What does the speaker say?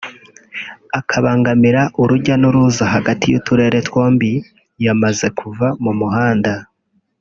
akabangamira urujya n’uruza hagati y’uturere twombi yamaze kuva mu muhanda